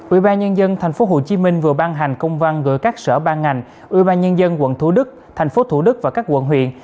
ubnd tp hcm vừa ban hành công văn gửi các sở ban ngành ubnd quận thủ đức tp thủ đức và các quận huyện